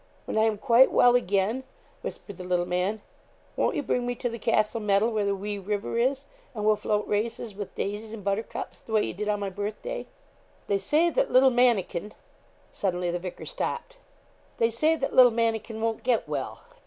'When I am quite well again,' whispered the little man, 'won't you bring me to the castle meadow, where the wee river is, and we'll float races with daisies and buttercups the way you did on my birthday.' 'They say that little mannikin ' suddenly the vicar stopped. 'They say that little mannikin won't get well.'